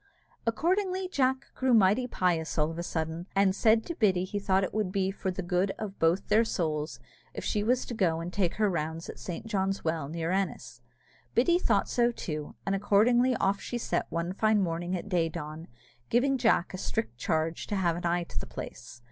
Accordingly, Jack grew mighty pious all of a sudden, and said to Biddy that he thought it would be for the good of both their souls if she was to go and take her rounds at Saint John's Well, near Ennis. Biddy thought so too, and accordingly off she set one fine morning at day dawn, giving Jack a strict charge to have an eye to the place.